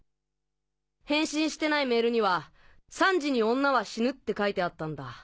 返信してないメールには「三時に女は死ぬ」って書いてあったんだ。